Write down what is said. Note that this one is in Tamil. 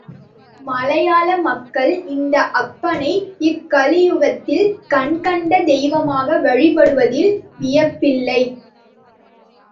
மலையாள மக்கள் இந்த அப்பனை, இக்கலியுகத்தில் கண்கண்ட தெய்வமாக வழிபடுவதில் வியப்பில்லை.